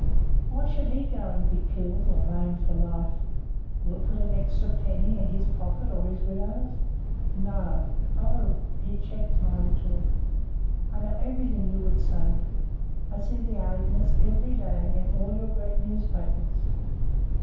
Why should he go and be killed or maimed for life? Will it put an extra penny in his pocket or his widow's? No. Oh!" he checked my retort "I know everything you would say. I see the arguments every day in all your great newspapers.